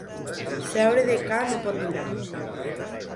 Seure de ca no pot durar.